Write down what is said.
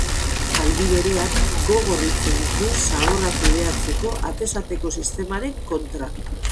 Aldi berean, gogor hitz egin du zaborra kudeatzeko atez ateko sistemaren kontra.